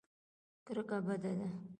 کرکه بده ده.